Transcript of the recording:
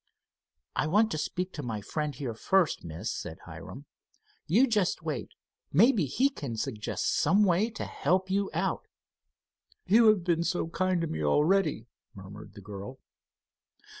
"I want to speak to my friend here first, Miss," said Hiram. "You just wait. Maybe he can suggest some way to help you out." "You have been so kind to me already," murmured the girl.